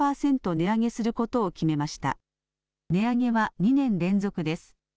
値上げは２年連続です。